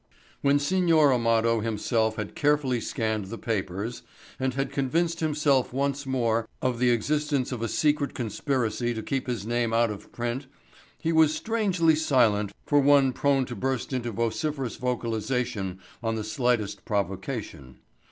When Signor Amado himself had carefully scanned the papers, and had convinced himself once more of the existence of a secret conspiracy to keep his name out of print he was strangely silent for one prone to burst into vociferous vocalization on the slightest provocation.